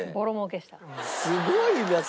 すごいな！